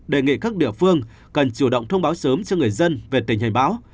đề nghị các địa phương cần chủ động thông báo sớm cho người dân về tỉnh hành báo